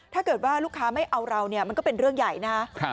ถ้าเกิดว่าลูกค้าไม่เอาเราเนี่ยมันก็เป็นเรื่องใหญ่นะครับ